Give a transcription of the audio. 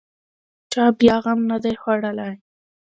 چا بیا غم نه دی خوړلی.